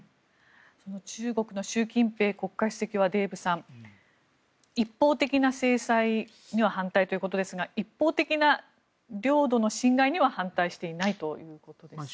中国の習近平国家主席はデーブさん一方的な制裁には反対ということですが一方的な領土の侵害には反対していないということです。